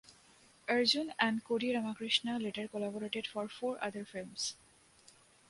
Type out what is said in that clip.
Arjun and Kodi Ramakrishna later collaborated for four other films.